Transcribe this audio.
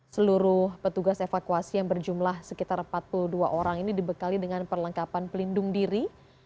seluruh petugas evakuasi yang berjumlah sekitar empat puluh dua orang ini dibekali dengan perlengkapan pelindung diri